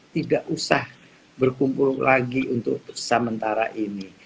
tidak usah berkumpul lagi untuk sementara ini